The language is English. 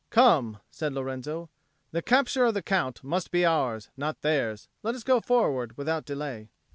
"Come," said Lorenzo. "The capture of the Count must be ours, not theirs. Let us go forward without delay."